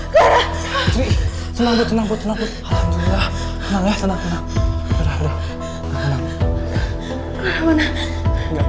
gak bisa gua harus ketemu sama clara sekarang